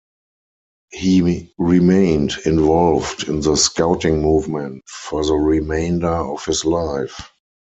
He remained involved in the Scouting movement for the remainder of his life.